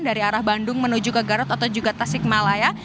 dari arah bandung menuju ke garut atau juga tasik malaya